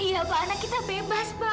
iya tuh anak kita bebas pak